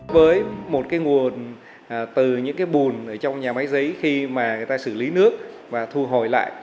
với một nguồn từ những bùn trong nhà máy giấy khi mà người ta xử lý nước và thu hồi lại